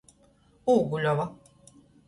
Ūguļova.